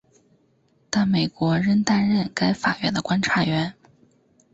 但美国仍担任该法院的观察员。